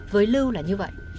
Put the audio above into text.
với lưu là như vậy